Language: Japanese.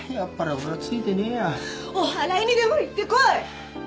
おはらいにでも行ってこい！